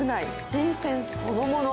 新鮮そのもの。